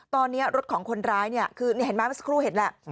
ตอนนี้รถของคนร้ายคือเห็นไหมสกรูเห็นแหละ